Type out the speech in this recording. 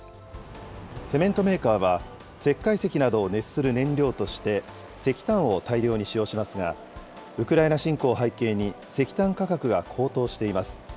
セメントメーカーは、石灰石などを熱する燃料として石炭を大量に使用しますが、ウクライナ侵攻を背景に、石炭価格が高騰しています。